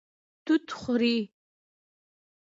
توت خوري